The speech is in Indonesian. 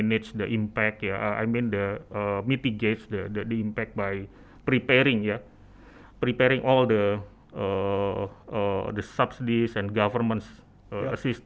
maksud saya memperbaiki kesan dengan mempersiapkan semua bantuan dan bantuan pemerintah untuk mendukung penyakit